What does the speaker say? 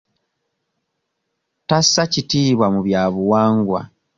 Tassa kitiibwa mu byabuwangwa.